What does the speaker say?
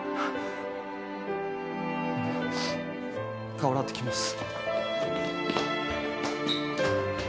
顔洗ってきます。